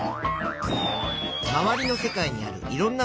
まわりの世界にあるいろんなふしぎ。